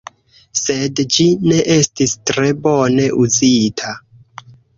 Sed ĝi ne estis tre bone uzita.